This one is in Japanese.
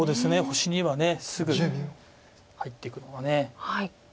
星にはすぐ入っていくのがね。